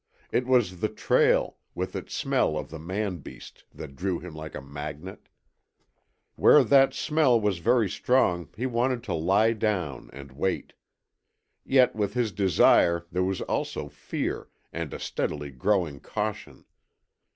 It was the trail, with its smell of the man beast, that drew him like a magnet. Where that smell was very strong he wanted to lie down, and wait. Yet with his desire there was also fear, and a steadily growing caution.